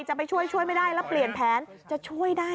จะไปช่วยช่วยไม่ได้แล้วเปลี่ยนแผนจะช่วยได้